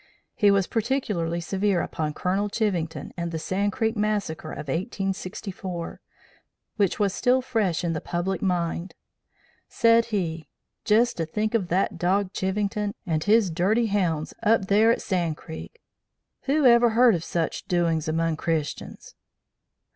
He was particularly severe upon Col. Chivington and the Sand Creek massacre of 1864, which was still fresh in the public mind, said he; 'jist to think of that dog Chivington, and his dirty hounds, up thar at Sand Creek! Whoever heerd of sich doings 'mong Christians!'